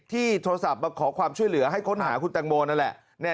โทรศัพท์มาขอความช่วยเหลือให้ค้นหาคุณแตงโมนั่นแหละ